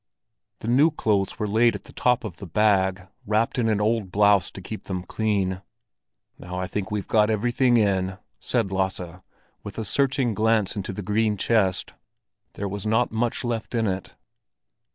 The new clothes were laid at the top of the bag, wrapped in an old blouse to keep them clean. "Now I think we've got everything in," said Lasse, with a searching glance into the green chest. There was not much left in it.